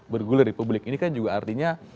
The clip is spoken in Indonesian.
bergulir di publik ini kan juga artinya